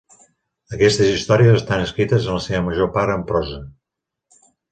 Aquestes històries estan escrites en la seva major part en prosa.